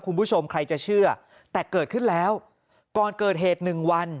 คุณผู้ชมใครจะเชื่อแต่เกิดขึ้นแล้วก่อนเกิดเหตุหนึ่งวัน